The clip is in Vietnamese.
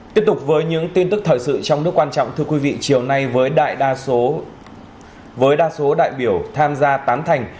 tiếp tục với những tin tức thời sự trong nước quan trọng thưa quý vị chiều nay với đại đa với đa số đại biểu tham gia tán thành